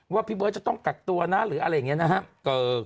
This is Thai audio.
พี่เบิร์ตจะต้องกักตัวนะหรืออะไรอย่างนี้นะครับ